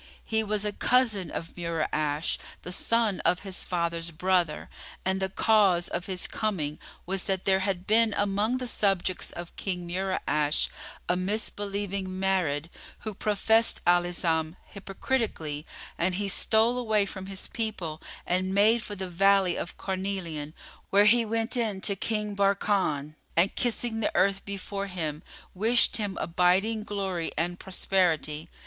He was a cousin of Mura'ash, the son of his father's brother, and the cause of his coming was that there had been among the subjects of King Mura'ash a misbelieving Marid, who professed Al Islam hypocritically, and he stole away from his people and made for the Valley of Carnelian, where he went in to King Barkan and, kissing the earth before him, wished him abiding glory and prosperity.